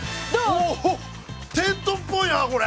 テントっぽいなこれ！